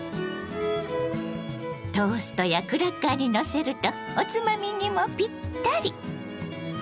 トーストやクラッカーにのせるとおつまみにもピッタリ！